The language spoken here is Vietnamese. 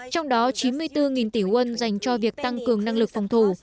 trong đó chín mươi bốn tỷ quân dành cho việc tăng cường năng lực phòng thủ